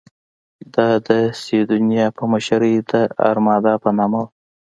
دا د سیدونیا په مشرۍ د ارمادا په نامه وه.